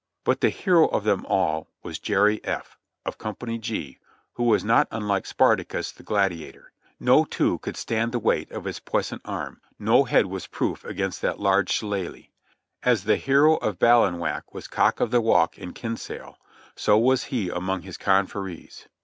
But the hero of them all was Jerry F , of Company G, who was not unlike Spartacus the gladia tor. No two could stand the weight of his puissant arm ; no head was proof against that huge shillalah. As the hero of Ballena whack was "cock of the walk" of Kinsale, so was he among his confreres.